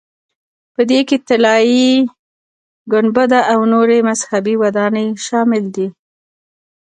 په دې کې طلایي ګنبده او نورې مذهبي ودانۍ شاملې دي.